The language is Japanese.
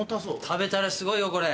食べたらすごいよこれ。